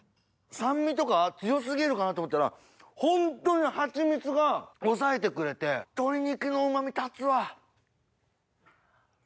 酸味とか強過ぎるかなと思ったらホントにハチミツが抑えてくれて鶏肉のうまみ立つわ！